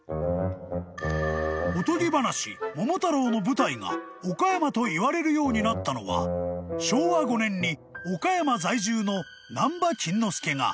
［おとぎ話『桃太郎』の舞台が岡山といわれるようになったのは昭和５年に岡山在住の難波金之助が］